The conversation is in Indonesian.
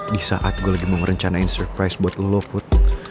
di saat gue lagi mau merencanain surprise buat lo put